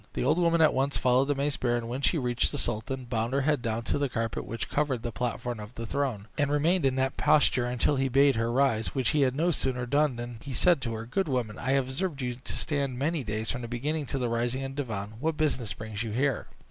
The old woman at once followed the mace bearer, and when she reached the sultan, bowed her head down to the carpet which covered the platform of the throne, and remained in that posture till he bade her rise, which she had no sooner done than he said to her, "Good woman, I have observed you to stand many days, from the beginning to the rising of the divan; what business brings you here?"